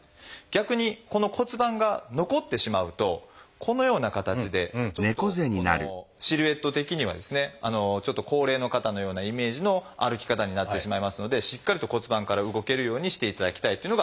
逆にこの骨盤が残ってしまうとこのような形でちょっとシルエット的にはですねちょっと高齢の方のようなイメージの歩き方になってしまいますのでしっかりと骨盤から動けるようにしていただきたいっていうのが一点。